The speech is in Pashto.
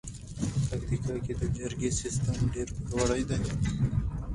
پکتیکا کې د جرګې سیستم ډېر پیاوړی دی.